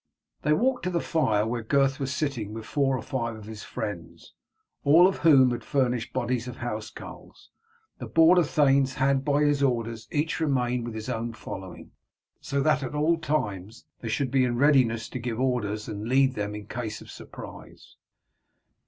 They walked to the fire where Gurth was sitting with four or five of his friends, all of whom had furnished bodies of housecarls. The border thanes had by his orders each remained with his own following, so that at all times they should be in readiness to give orders and lead them in case of surprise.